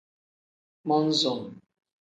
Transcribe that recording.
Mon-som.